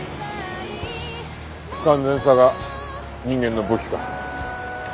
不完全さが人間の武器か。